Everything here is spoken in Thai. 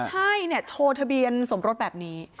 ใช่เนี่ยโชว์ทะเบียนสมรสแบบนี้